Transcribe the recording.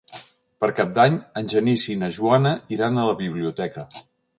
Per Cap d'Any en Genís i na Joana iran a la biblioteca.